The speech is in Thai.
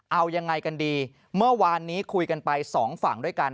เอายังไงกันดีเมื่อวานนี้คุยกันไปสองฝั่งด้วยกัน